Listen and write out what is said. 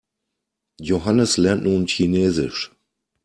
Johannes lernt nun Chinesisch.